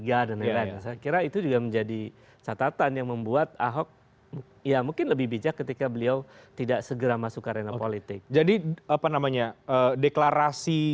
ya kita masa orang sudah di penjara